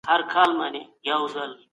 سجده د علم او پوهې د احترام نښه وه.